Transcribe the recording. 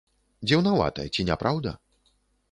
Дзіўнавата, ці не праўда?